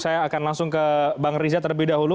saya akan langsung ke bang riza terlebih dahulu